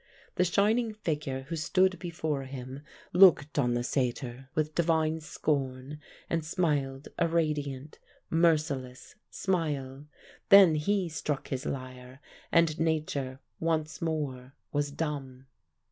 The shining figure who stood before him looked on the satyr with divine scorn and smiled a radiant, merciless smile. Then he struck his lyre and Nature once more was dumb.